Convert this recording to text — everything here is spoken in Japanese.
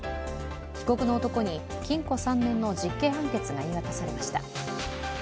被告の男に禁錮３年の実刑判決が言い渡されました。